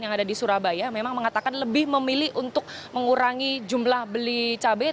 yang ada di surabaya memang mengatakan lebih memilih untuk mengurangi jumlah beli cabai